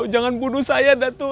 ampun datuk jangan bunuh saya datuk